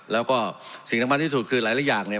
แล้วก็สิ่งที่สุดคือหลายหลายอย่างเนี่ย